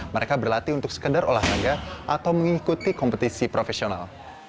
mereka berlatih untuk sekedar olahraga atau mengikuti kompetisi profesional